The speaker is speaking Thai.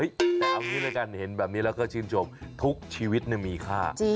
เอาวิทยาลักษณ์เห็นแบบนี้แล้วก็ชื่นจบทุกชีวิตมีค่า